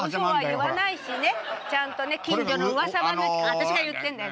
私が言ってんだよ